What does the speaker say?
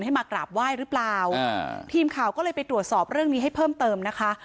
มากราบไหว้หรือเปล่าอ่าทีมข่าวก็เลยไปตรวจสอบเรื่องนี้ให้เพิ่มเติมนะคะ